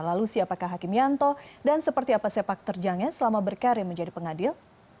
lalu siapakah hakim yanto dan seperti apa sepak terjangnya selama berkarir menjadi pengadil